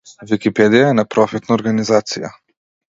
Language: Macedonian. Википедија е непрофитна организација.